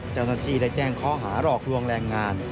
เจ้าหน้าที่ได้แจ้งข้อหาหลอกลวงแรงงาน